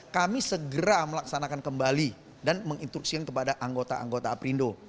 kami segera melaksanakan kembali dan menginstruksikan kepada anggota anggota aprindo